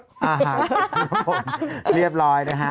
อ่าครับผมเรียบร้อยนะครับ